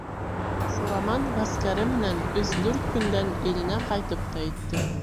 Сураман ғәскәре менән өс-дүрт көндән иленә ҡайтып та етте.